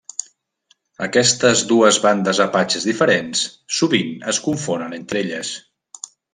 Aquestes dues bandes apatxes diferents sovint es confonen entre elles.